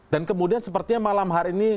dan kemudian sepertinya malam hari ini